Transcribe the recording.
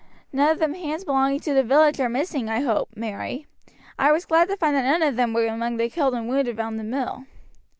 "None of the hands belonging to the village are missing, I hope, Mary. I was glad to find that none of them were among the killed and wounded round the mill."